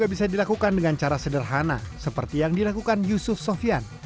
bisa dilakukan dengan cara sederhana seperti yang dilakukan yusuf sofian